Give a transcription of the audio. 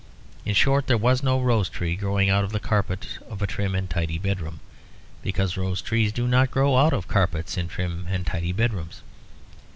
In short, there was no rose tree growing out of the carpet of a trim and tidy bedroom; because rose trees do not grow out of carpets in trim and tidy bedrooms.